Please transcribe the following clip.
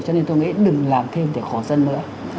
cho nên tôi nghĩ đừng làm thêm để khó dân nữa